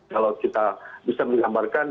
kalau kita bisa menggambarkan